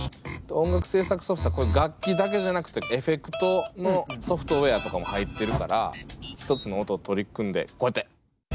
音楽制作ソフトは楽器だけじゃなくてエフェクトのソフトウエアとかも入ってるから１つの音取り込んでこうやって。